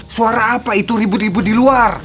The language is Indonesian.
suara apa itu ribut ribut di luar